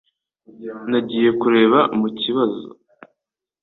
Nagiye kureba mu kibazo